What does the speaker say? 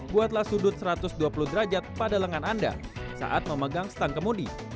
buatlah sudut satu ratus dua puluh derajat pada lengan anda saat memegang stang kemudi